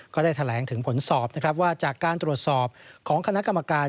ก็ได้แถลงถึงผลสอบนะครับว่าจากการตรวจสอบของคณะกรรมการ